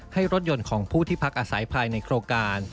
รถยนต์ของผู้ที่พักอาศัยภายในโครงการ